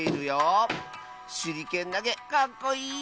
しゅりけんなげかっこいい！